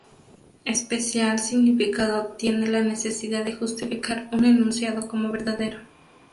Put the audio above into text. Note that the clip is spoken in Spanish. Especial significado tiene la necesidad de justificar un enunciado como verdadero.